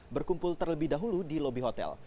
berkumpul terlebih dahulu di lobi hotel